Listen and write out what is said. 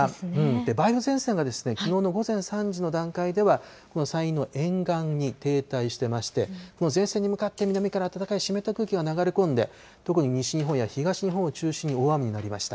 梅雨前線はきのうの午前３時の段階では、この山陰の沿岸に停滞してまして、前線に向かって南から暖かい湿った空気が流れ込んで、特に西日本や東日本を中心に大雨になりました。